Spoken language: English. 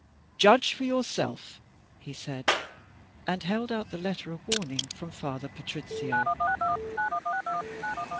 "Judge for yourself," he said and held out the letter of warning from Father Patrizio.